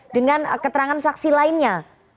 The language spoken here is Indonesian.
dengan keterangan saksi lainnya